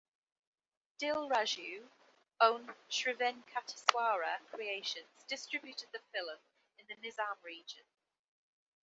Dil Raju–owned Sri Venkateswara Creations distributed the film in the Nizam region.